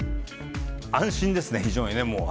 安心ですね、非常にね、もう。